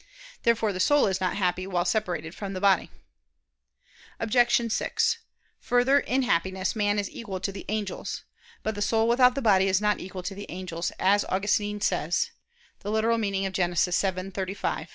Therefore the soul is not happy while separated from the body. Obj. 6: Further, in Happiness man is equal to the angels. But the soul without the body is not equal to the angels, as Augustine says (Gen. ad lit. xii, 35).